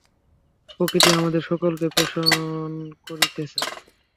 প্রকৃতি আমাদের সকলকে পেষণ করিতেছে।